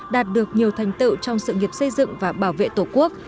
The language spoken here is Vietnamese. đạt được nhiều thành tựu trong sự nghiệp xây dựng và bảo vệ tổ quốc